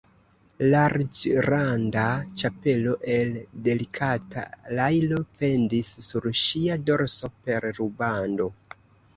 Larĝranda ĉapelo el delikata pajlo pendis sur ŝia dorso per rubando.